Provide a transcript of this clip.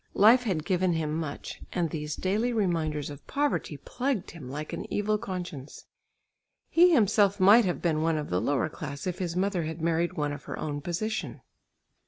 Life had given him much, and these daily reminders of poverty plagued him like an evil conscience. He himself might have been one of the lower class if his mother had married one of her own position.